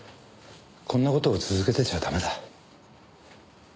こんな事を続けてちゃダメだ。